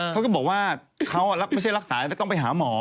เขาก็บอกว่าเขาไม่ใช่รักษาแล้วต้องไปหาหมอ